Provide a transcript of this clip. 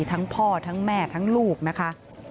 ทั้งพ่อทั้งแม่ทั้งลูกนะคะ